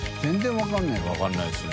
分からないですね